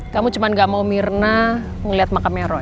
kamu cuman gak mau mirna ngeliat makamnya roy